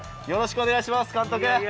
よろしくお願いします、監督。